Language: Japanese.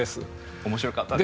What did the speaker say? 面白かったです。